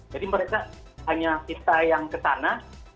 jadi mereka hanya kita yang ke sana